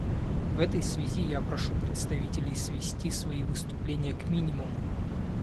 В этой связи я прошу представителей свести свои выступления к минимуму.